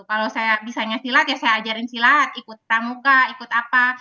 kalau saya bisanya silat ya saya ajarin silat ikut pramuka ikut apa